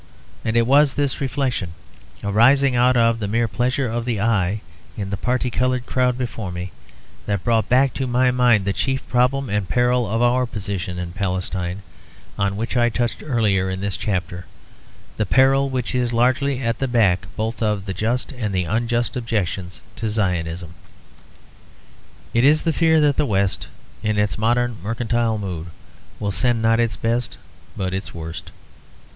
And it was this reflection, arising out of the mere pleasure of the eye in the parti coloured crowd before me, that brought back my mind to the chief problem and peril of our position in Palestine, on which I touched earlier in this chapter; the peril which is largely at the back both of the just and of the unjust objections to Zionism. It is the fear that the West, in its modern mercantile mood, will send not its best but its worst.